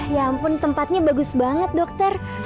ya ampun tempatnya bagus banget dokter